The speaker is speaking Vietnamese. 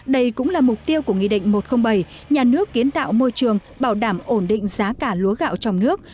đây cũng là mục tiêu của nghị định một trăm linh bảy nhà nước kiến tạo môi trường bảo đảm ổn định giá cả lúa gạo trong nước